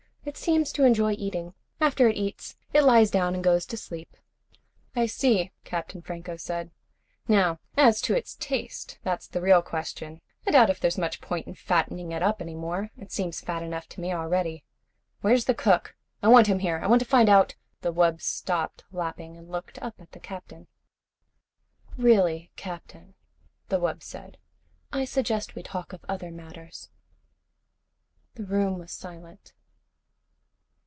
It seems to enjoy eating. After it eats it lies down and goes to sleep." "I see," Captain Franco said. "Now, as to its taste. That's the real question. I doubt if there's much point in fattening it up any more. It seems fat enough to me already. Where's the cook? I want him here. I want to find out " The wub stopped lapping and looked up at the Captain. "Really, Captain," the wub said. "I suggest we talk of other matters." The room was silent.